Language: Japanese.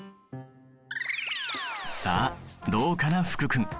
さあどうかな福君。